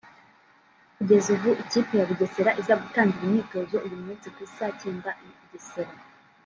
Kugeza ubu ikipe ya Bugesera iza gutangira imyitozo uyu munsi ku i saa cyenda i Bugesera